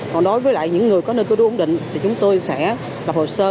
còn đối với lại những người có nơi cư trú ổn định thì chúng tôi sẽ lập hồ sơ